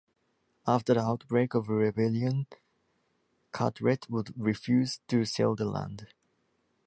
After the outbreak of rebellion Carteret would refuse to sell the land.